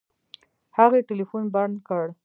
هغې ټلفون بند کړ.